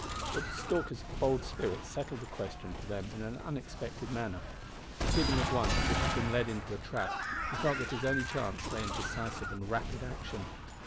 But Stalker's bold spirit settled the question for them in an unexpected manner. Perceiving at once that he had been led into a trap, he felt that his only chance lay in decisive and rapid action.